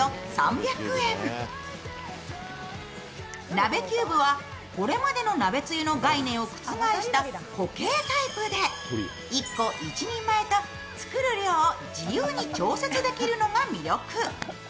鍋キューブはこれまでの鍋つゆの概念を覆した固形タイプで１個１人前と、作る量を自由に調節できるのが魅力。